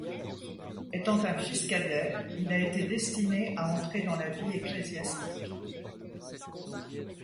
Étant un fils cadet, il a été destiné à entrer dans la vie ecclésiastique.